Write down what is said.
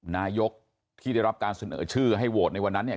นายกที่ได้รับการเสนอชื่อให้โหวตในวันนั้นเนี่ย